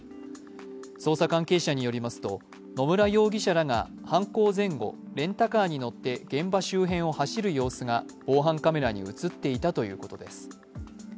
捜査関係者によりますと、野村容疑者らが犯行前後レンタカーに乗って現場周辺を走る様子が防犯カメラに映っていたということです。